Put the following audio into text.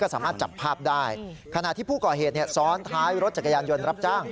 สามารถจับภาพได้ขณะที่ผู้ก่อเหตุซ้อนท้ายรถจักรยานยนต์รับจ้าง